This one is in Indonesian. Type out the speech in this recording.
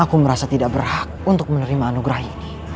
dan aku merasa tidak berhak untuk menerima anugerah ini